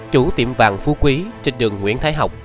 chủ tiệm vàng phú quý trên đường nguyễn thái học